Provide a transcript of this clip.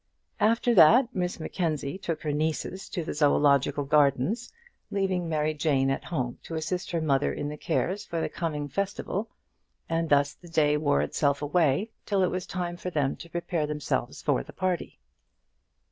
After that Miss Mackenzie took her nieces to the Zoological Gardens, leaving Mary Jane at home to assist her mother in the cares for the coming festival, and thus the day wore itself away till it was time for them to prepare themselves for the party.